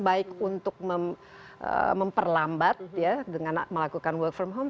baik untuk memperlambat ya dengan melakukan work from home